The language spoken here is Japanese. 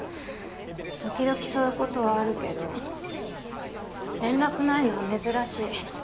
時々そういうことはあるけど連絡ないのは珍しい。